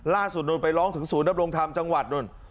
ล่าสูตรหนูไปร้องถึงสู่นักโรงทำจังหวัด